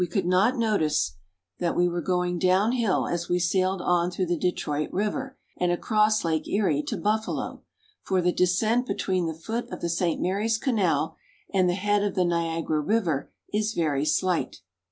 could not notice that we were going downhill as we sailed on through the Detroit River and across Lake Erie to Buf falo, for the descent between the foot of the St. Marys Canal and the head of the Niagara River is very slight.